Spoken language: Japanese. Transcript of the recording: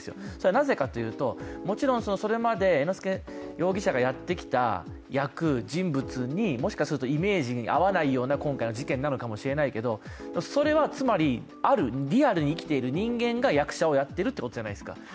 なぜかというと、それまで猿之助容疑者がやってきた役、人物にもしかするとイメージに合わないような今回の事件かもしれないけどそれはつまり、リアルに生きている人間が役者をやってるってことじゃないですか。